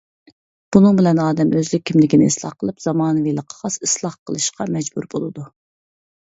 بۇنىڭ بىلەن ئادەم ئۆزلۈك كىملىكىنى ئىسلاھ قىلىپ زامانىۋىلىققا خاس ئىسلاھ قىلىشقا مەجبۇر بولىدۇ.